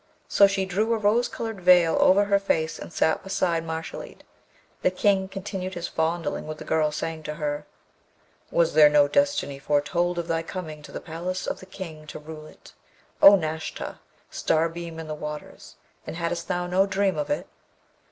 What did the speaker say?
So she drew a rose coloured veil over her face and sat beside Mashalleed. The King continued his fondling with the girl, saying to her, 'Was there no destiny foretold of thy coming to the palace of the King to rule it, O Nashta, starbeam in the waters! and hadst thou no dream of it?'